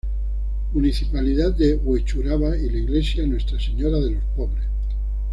Municipalidad de Huechuraba y la iglesia Nuestra Señora de los Pobres.